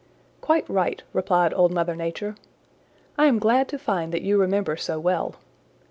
"Quite right," replied Old Mother Nature. "I am glad to find that you remember so well.